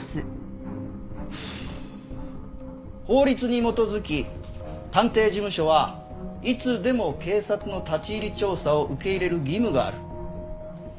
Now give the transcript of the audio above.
法律に基づき探偵事務所はいつでも警察の立ち入り調査を受け入れる義務がある。